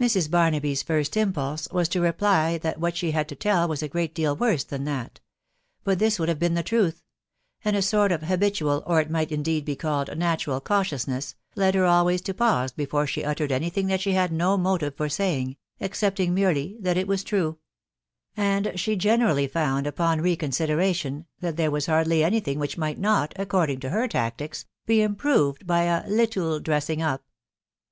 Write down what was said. Mrs. Barn&hy'a first impulse was to reply tnat w\\afc *ba VmA to tell was a great deal worse than that ; but this w>\x\&\iv THE WIDOW BARNABY. 45 been the truth ; and a sort of habitual, or it might indeed he called natural cautiousness, led her always to pause before she uttered any thing that she had no motive for saying, except ing merely that it was true ; and she generally found, upon re consideration, that there was hardly any thing which might not, according to her tactics, be improved by a leetle dressing up.